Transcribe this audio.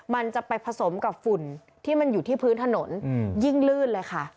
มันจะไปผสมกับฝุ่นที่มันอยู่ที่พื้นถนนยิ่งลื่นเลยค่ะ